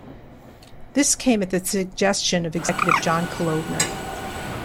This came at the suggestion of executive John Kalodner.